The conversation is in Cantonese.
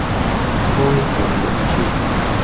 哀痛欲絕